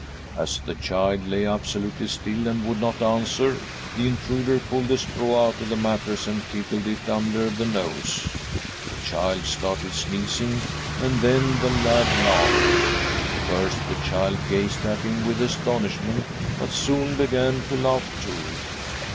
" As the child lay absolutely still and would not answer, the intruder pulled a straw out of the mattress and tickled it under the nose. The child started sneezing, and then the lad laughed. At first the child gazed at him with astonishment, but soon began to laugh too.